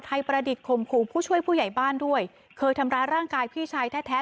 ประดิษฐข่มขู่ผู้ช่วยผู้ใหญ่บ้านด้วยเคยทำร้ายร่างกายพี่ชายแท้แท้